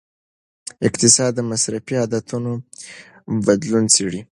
اقتصاد د مصرفي عادتونو بدلون څیړي.